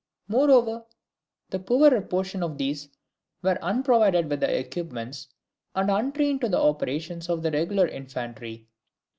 Moreover, the poorer portion of these were unprovided with the equipments, and untrained to the operations of the regular infantry.